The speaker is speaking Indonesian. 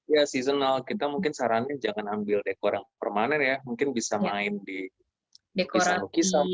ya seasonal kita mungkin sarannya jangan ambil dekor yang permanen ya mungkin bisa main di lukisan lukisan